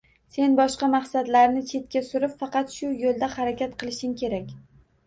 Sen boshqa maqsadlarni chetga surib, faqat shu yoʻlda harakat qilishing kerak